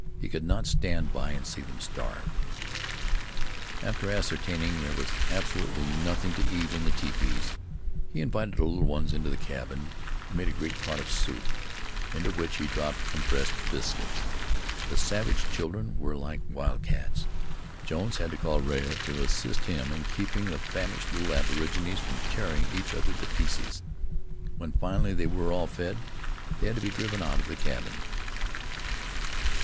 He could not stand by and see them starve. After ascertaining there was absolutely nothing to eat in the tepees, he invited the little ones into the cabin, and made a great pot of soup, into which he dropped compressed biscuits. The savage children were like wildcats. Jones had to call in Rea to assist him in keeping the famished little aborigines from tearing each other to pieces. When finally they were all fed, they had to be driven out of the cabin.